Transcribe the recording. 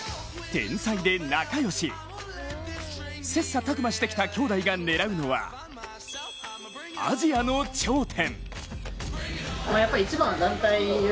天才で仲良し、切磋琢磨してきた兄弟が狙うのは、アジアの頂点。